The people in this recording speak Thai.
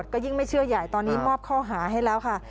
ก็ยิ่งไม่เชื่อใหญ่ตอนนี้มอบข้อหาให้แล้วค่ะ